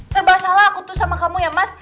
serba salah aku tuh sama kamu ya mas